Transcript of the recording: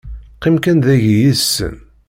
Qqim kan dahi yid-sen.